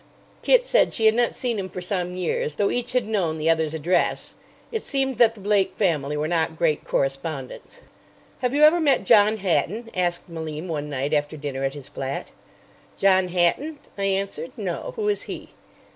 Kit said she had not seen him for some years, though each had known the other's address. It seemed that the Blake family were not great correspondents. "Have you ever met John Hatton?" asked Malim one night after dinner at his flat. "John Hatton?" I answered. "No. Who is he?"